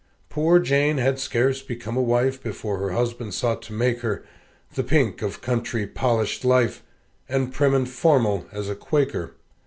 Poor Jane had scarce become a wife, Before her husband sought to make her The pink of country polished life, And prim and formal as a Quaker.